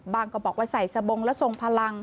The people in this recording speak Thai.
บางก็บอกว่าใส่สบงแล้วทรงฟ้า๙